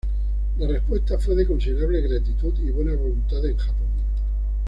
La respuesta fue de considerable gratitud y buena voluntad en Japón.